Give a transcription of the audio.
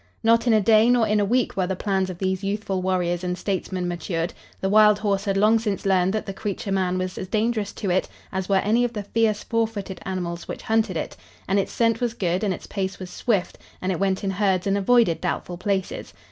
Not in a day nor in a week were the plans of these youthful warriors and statesmen matured. The wild horse had long since learned that the creature man was as dangerous to it as were any of the fierce four footed animals which hunted it, and its scent was good and its pace was swift and it went in herds and avoided doubtful places.